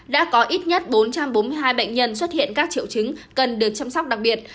đã có ít nhất bốn trăm bốn mươi hai bệnh nhân xuất hiện các triệu chứng cần được chăm sóc đặc biệt